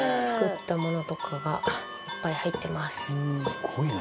すごいな。